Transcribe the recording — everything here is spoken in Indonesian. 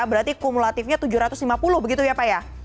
berarti kumulatifnya tujuh ratus lima puluh begitu ya pak ya